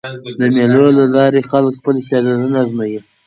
د مېلو له لاري خلک خپل استعدادونه آزمويي.